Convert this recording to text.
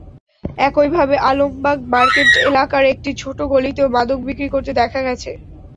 একইভাবে আলমবাগ মার্কেট এলাকার একটি ছোট গলিতেও মাদক বিক্রি করতে দেখা গেছে।